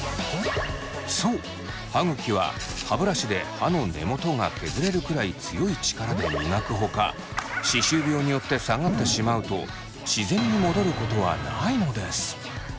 そう歯ぐきは歯ブラシで歯の根元が削れるくらい強い力で磨くほか歯周病によって下がってしまうと自然に戻ることはないのです。